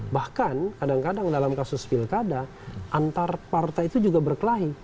bahkan kadang kadang dalam kasus pilkada antar partai itu juga berkelahi